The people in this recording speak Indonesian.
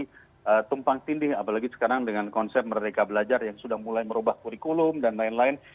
jadi tumpang tindih apalagi sekarang dengan konsep mereka belajar yang sudah mulai merubah kurikulum dan lain lain